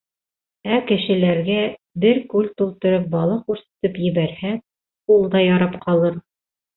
Ә кешеләргә бер күл тултырып балыҡ үрсетеп ебәрһәк, ул да ярап ҡалыр.